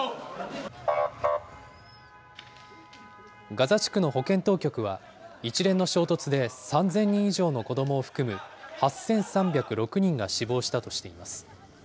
ガザ地区の保健当局は、一連の衝突で３０００以上の子どもを含む８３０６人が死亡したとしています。